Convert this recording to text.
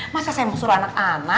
masa saya mau suruh anak anak